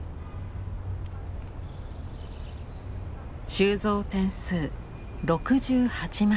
収蔵点数６８万点。